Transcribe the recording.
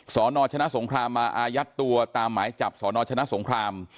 สนชนะสงครามมาอายัดตัวตามหมายจับสนชนะสงคราม